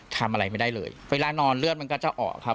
ทำอะไรไม่ได้เลยเวลานอนเลือดมันก็จะออกครับ